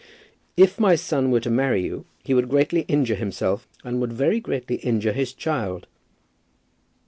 "If my son were to marry you, he would greatly injure himself, and would very greatly injure his child."